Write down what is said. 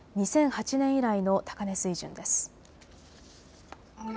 ２００８年以来の高値水準です。